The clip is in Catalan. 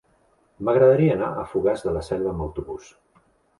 M'agradaria anar a Fogars de la Selva amb autobús.